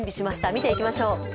見ていきましょう。